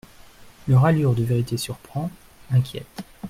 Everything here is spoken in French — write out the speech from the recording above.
Leur allure de vérité surprend, inquiète.